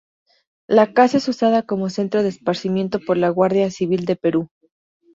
La casa es usada como centro de esparcimiento por la Guardia Civil del Perú.